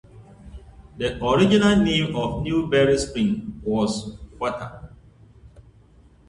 The original name of Newberry Springs was "Water".